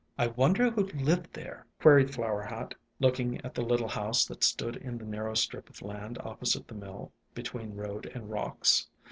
"I wonder who lived there?" queried Flower Hat, looking at the little house that stood in the narrow strip of land opposite the mill, between road and rocks.